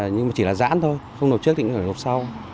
nhưng mà chỉ là giãn thôi không nộp trước thì cũng phải nộp sau